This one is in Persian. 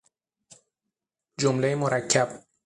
جملهی مرکب